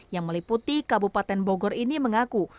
yang meliputi kabupaten bogor ini mengaku